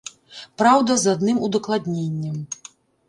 Праўда, з адным удакладненнем.